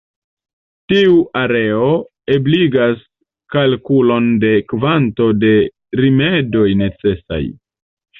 Tiu areo ebligas kalkulon de kvanto de rimedoj necesaj.